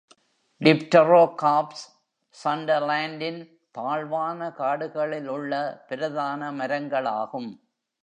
Dipterocarps, Sundaland ன் தாழ்வான காடுகளில் உள்ள பிரதான மரங்களாகும்.